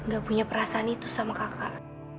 gak punya perasaan itu sama kakak